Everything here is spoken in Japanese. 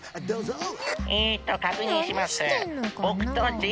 どうぞ。